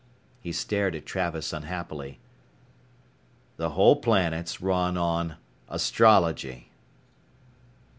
He stared at Travis unhappily. "The whole planet's run on astrology."